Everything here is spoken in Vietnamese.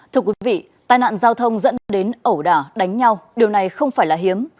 thưa quý vị tai nạn giao thông dẫn đến ẩu đả đánh nhau điều này không phải là hiếm